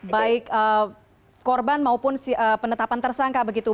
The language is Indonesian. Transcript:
baik korban maupun penetapan tersangka begitu